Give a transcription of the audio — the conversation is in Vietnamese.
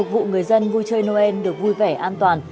vụ người dân vui chơi noel được vui vẻ an toàn